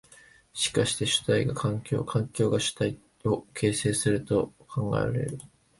しかして主体が環境を、環境が主体を形成すると考えられる。